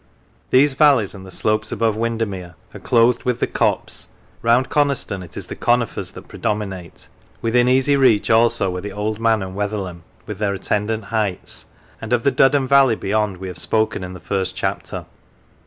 These val leys, and the slopes above Windermere, are clothed with copse; round Coniston it is the conifers that pre dominate. Within easy reach also are the Old Man and Wetherlam, with their attendant heights, and of the Duddon valley beyond we have spoken in the first chapter.